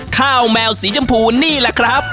แมวสีชมพูนี่แหละครับ